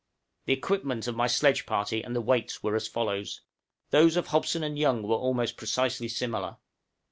} The equipment of my sledge party and the weights were as follows: those of Hobson and Young were almost precisely similar.